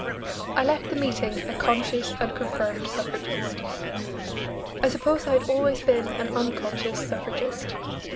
I left the meeting a conscious and confirmed suffragist. I suppose I had always been an unconscious suffragist.